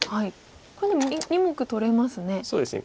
これでも２目取れますね。